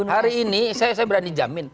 hari ini saya berani jamin